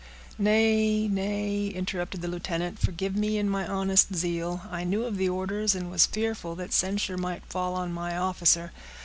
"Nay, nay," interrupted the lieutenant, "forgive me and my honest zeal. I knew of the orders, and was fearful that censure might fall on my officer.